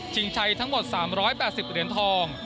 ใช้ทั้งหมด๓๘๐เหรียญทอง